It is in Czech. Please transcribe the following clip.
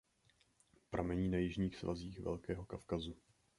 Pramení na jižních svazích Velkého Kavkazu.